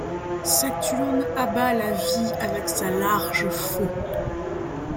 Saturne abat la vie avec sa large faulx ;